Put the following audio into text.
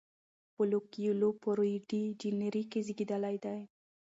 پاولو کویلیو په ریو ډی جنیرو کې زیږیدلی دی.